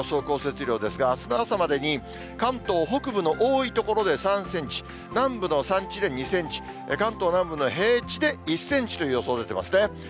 降雪量ですが、あすの朝までに関東北部の多い所で３センチ、南部の山地で２センチ、関東南部の平地で１センチという予想出ていますね。